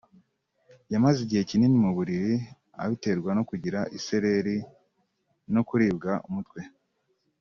yamaze igihe kinini mu buriri abiterwa no kugira isereri no kuribwa umutwe